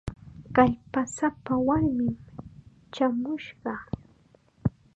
Kallpasapa warmim chaamushqa.